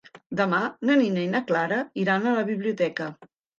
Demà na Nina i na Clara iran a la biblioteca.